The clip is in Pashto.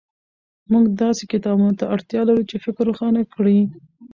موږ داسې کتابونو ته اړتیا لرو چې فکر روښانه کړي.